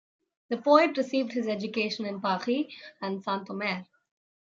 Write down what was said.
The poet received his education in Paris and Saint-Omer.